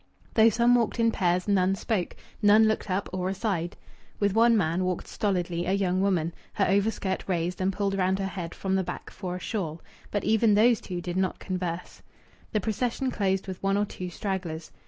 Though some walked in pairs, none spoke; none looked up or aside. With one man walked stolidly a young woman, her overskirt raised and pulled round her head from the back for a shawl; but even these two did not converse. The procession closed with one or two stragglers.